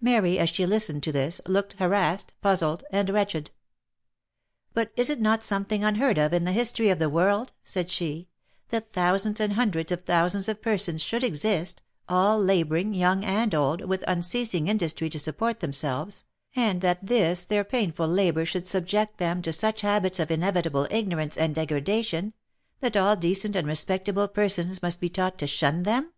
Mary, as she listened to this, looked harassed, puzzled, and wretched. " But is it not something unheard of in the history of the world," said she, " that thousands and hundreds of thousands of persons should exist, all labouring, young and old, with unceasing industry to support themselves, and that this their painful labour should subject them to such habits of inevitable ignorance and de gradation, that all decent and respectable persons must be taught to shun them?"